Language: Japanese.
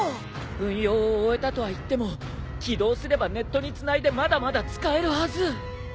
運用を終えたとはいっても起動すればネットにつないでまだまだ使えるはず。